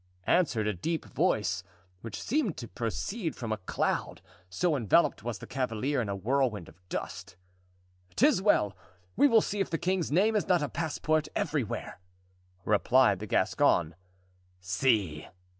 answered a deep voice, which seemed to proceed from a cloud, so enveloped was the cavalier in a whirlwind of dust. "'Tis well, we will see if the king's name is not a passport everywhere," replied the Gascon. "See!"